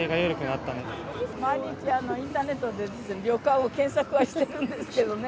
毎日インターネットで旅館を検索はしてるんですけどね。